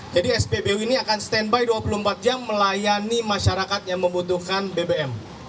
jadi spbu ini akan stand by dua puluh empat jam melayani masyarakat yang membutuhkan bbm